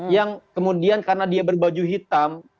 yang kemudian karena dia berbaju hitam